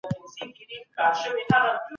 هغه د خپل لید له مخې تخلیقي ادب تفسیروي.